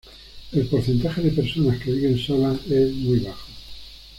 El porcentaje de personas que viven solas es muy bajo.